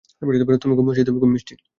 তুমি খুব মিষ্টি।